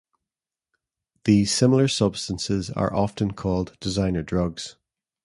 These similar substances are often called designer drugs.